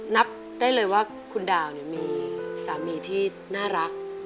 นับได้เลยว่าคุณดาวมีสามีที่น่ารัก